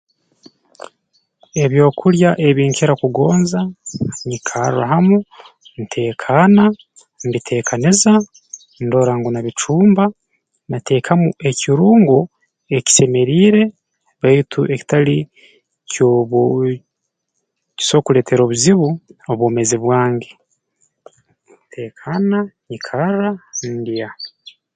Ebyokulya ebi nkira kugonza nyikarra hamu nteekaana mbiteekaniza ndora ngu nabicumba nateekamu ekirungo ekisemeriire baitu ekitali ky'obu kiso kuleetera obuzibu obwomeezi bwange nteekaana nyikarra ndya